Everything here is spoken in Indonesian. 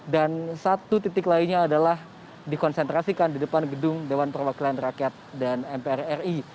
dan satu titik lainnya adalah dikonsentrasikan di depan gedung dewan perwakilan rakyat dan mpr ri